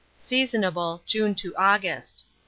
seasonable, June to August.